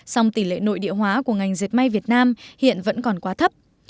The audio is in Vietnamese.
song tỷ lệ nội địa hóa của ngành dệt may việt nam hiện vẫn còn quá thấp